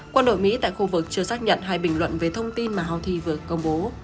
quân đội mỹ tại khu vực chưa xác nhận hay bình luận về thông tin mà hào thi vừa công bố